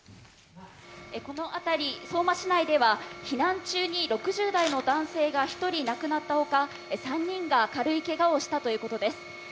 このあたり、相馬市内では避難中に６０代の男性が１人亡くなった他、３人が軽いけがをしたということです。